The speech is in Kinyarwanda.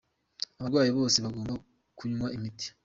Abarwayi bose bagomba kunywa imiti.